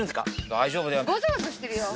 大丈夫だよ。